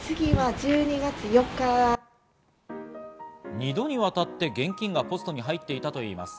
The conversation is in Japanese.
二度にわたって現金がポストに入っていたといいます。